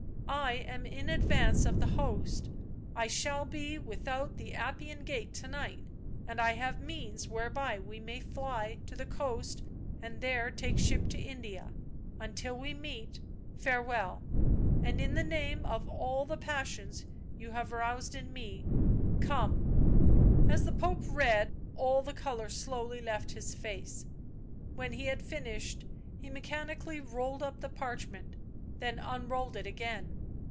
I am in advance of the host — I shall be without the Appian Gate to night, and I have means whereby we may fljr to the coast and there take ship to India ; until we meet, farewell ! and in the name of all the passions you have roused in me — come !" As the Pope read, all the colour slowly left his face ; when he had finished he mechanically rolled up the parchment, then unrolled it again.